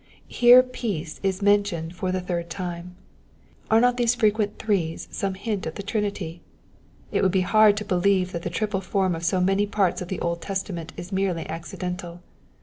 Here peace is mentioned for the third time. Are not these frequent threes some hint of the Trinity ? It would be bard to believe that the triple form of so many parts of the Old Testament is merely accidental.